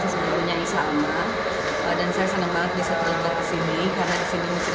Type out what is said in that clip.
saya seorang pemainnya isha amma